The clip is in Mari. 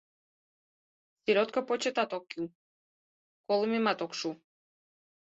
Селёдко почетат ок кӱл, колымемат огеш шу!»